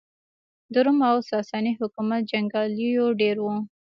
د روم او ساسا ني حکومت جنګیالېیو ډېر وو.